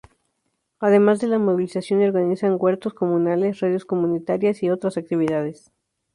Además de la movilización y organizan huertos comunales, radios comunitarias, y otras actividades.